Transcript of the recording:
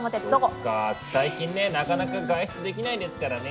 そっか最近ねえなかなか外出できないですからね。